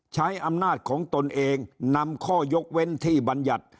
ใช้อำนาจของตนเองนำข้อยกเว้นที่บรรยัติ